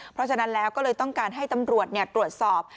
เพราะฉะนั้นแล้วก็เลยต้องการให้ตำรวจตรวจสอบ